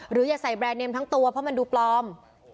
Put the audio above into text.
อย่าใส่แบรนดเนมทั้งตัวเพราะมันดูปลอม